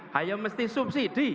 harapnya mesti subsidi